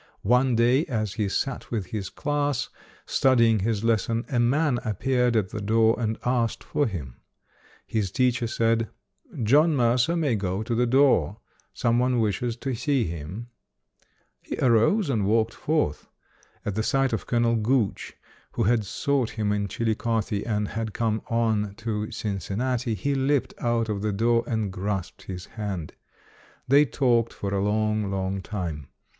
One day as he sat with his class, studying his lesson, a man appeared at the door and asked for him. His teacher said, "John Mercer may go to the door. Some one wishes to see him". He arose and walked forth. At the sight of Colonel Gooch, who had sought him in Chillicothe and had come on to Cincinnati, he leaped out of the door and grasped his hand. They talked for a long, long time.